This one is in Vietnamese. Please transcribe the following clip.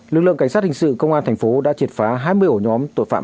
lực lượng cảnh sát hình sự công an thành phố đã triệt phá hai mươi ổ nhóm tội phạm